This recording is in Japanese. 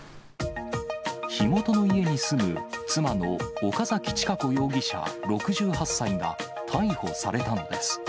火元の家に住む、妻の岡崎千賀子容疑者６８歳が逮捕されたのです。